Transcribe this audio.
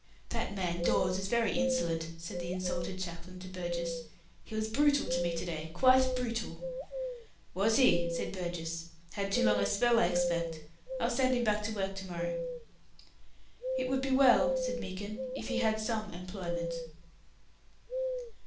"That man Dawes is very insolent," said the insulted chaplain to Burgess. "He was brutal to me to day quite brutal." "Was he?" said Burgess. "Had too long a spell, I expect. I'll send him back to work to morrow." "It would be well," said Meekin, "if he had some employment."